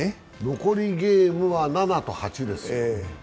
残りゲームは７と８ですね。